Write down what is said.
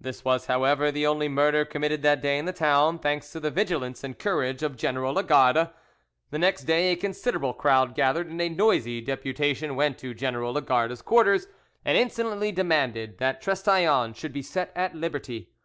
This was, however, the only murder committed that day in the town, thanks to the vigilance and courage of General Lagarde. The next day a considerable crowd gathered, and a noisy deputation went to General Lagarde's quarters and insolently demanded that Trestaillons should be set at liberty.